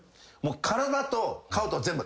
体と顔と全部。